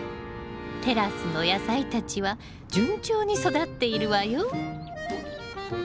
テラスの野菜たちは順調に育っているわよ。